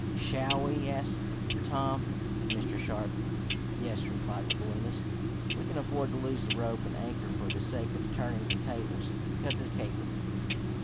"Shall we?" asked Tom of Mr. Sharp. "Yes," replied the balloonist. "We can afford to lose the rope and anchor for the sake of turning the tables. Cut the cable."